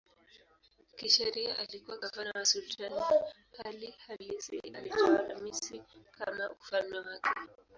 Kisheria alikuwa gavana wa sultani, hali halisi alitawala Misri kama ufalme wake.